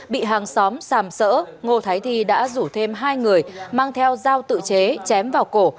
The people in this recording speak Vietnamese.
bị hàng xóm xàm sỡ ngô thái thi đã rủ thêm hai người mang theo dao tự chế chém vào cổ